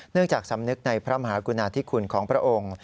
จากสำนึกในพระมหากุณาธิคุณของพระองค์